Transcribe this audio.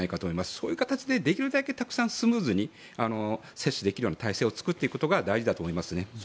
そういう形でできるだけたくさんスムーズに接種できるような体制を作っていくことが大事だと思いますね。